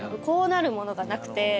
こうなるものがなくて。